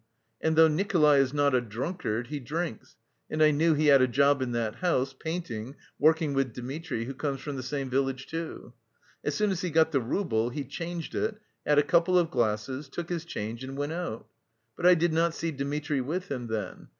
And though Nikolay is not a drunkard, he drinks, and I knew he had a job in that house, painting work with Dmitri, who comes from the same village, too. As soon as he got the rouble he changed it, had a couple of glasses, took his change and went out. But I did not see Dmitri with him then.